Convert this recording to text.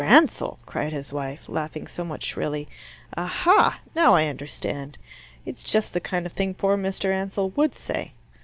Ansell!" cried his wife, laughing somewhat shrilly. "Aha! Now I understand. It's just the kind of thing poor Mr. Ansell would say.